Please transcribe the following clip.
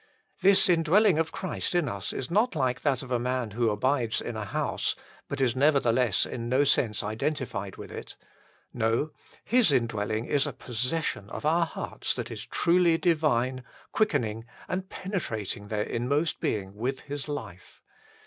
This indwelling of Christ in us is not like that of a man who abides in a house, but is nevertheless in no sense identified with it. No : His indwelling is a possession of our hearts that is truly divine, quickening and penetrating their inmost being with His life.